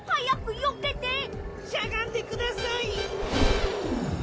しゃがんでください！